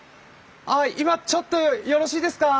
今ちょっとよろしいですか？